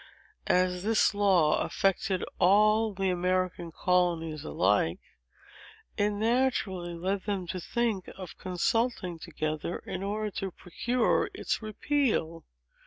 As this law affected all the American colonies alike, it naturally led them to think of consulting together in order to procure its repeal.